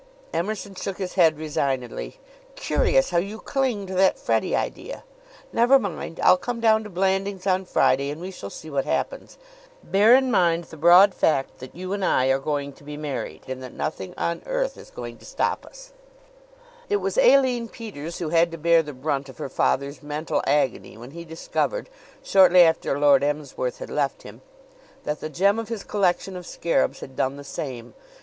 Emerson shook his head resignedly. "Curious how you cling to that Freddie idea. Never mind! I'll come down to Blandings on Friday and we shall see what happens. Bear in mind the broad fact that you and I are going to be married, and that nothing on earth is going to stop us." It was Aline Peters who had to bear the brunt of her father's mental agony when he discovered, shortly after Lord Emsworth had left him, that the gem of his collection of scarabs had done the same.